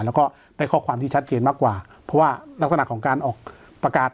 แล้วก็ได้ข้อความที่ชัดเจนมากกว่าเพราะว่ารักษณะของการออกประกาศ